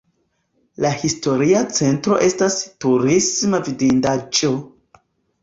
La historia centro estas turisma vidindaĵo.